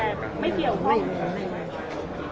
แต่ไม่เกี่ยวข้างล่าง